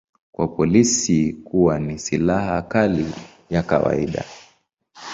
Kwa polisi huwa ni silaha kali ya kawaida.